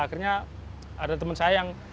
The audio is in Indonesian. akhirnya ada teman saya yang